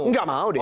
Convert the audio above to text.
tidak mau dia